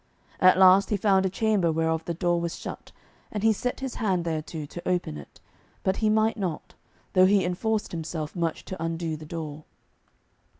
At last he found a chamber whereof the door was shut, and he set his hand thereto to open it, but he might not, though he enforced himself much to undo the door.